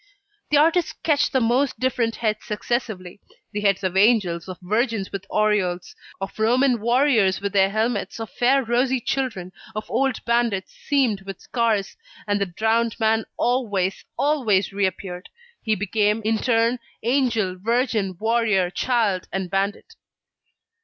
The artist sketched the most different heads successively: the heads of angels, of virgins with aureoles, of Roman warriors with their helmets, of fair, rosy children, of old bandits seamed with scars; and the drowned man always, always reappeared; he became, in turn, angel, virgin, warrior, child and bandit.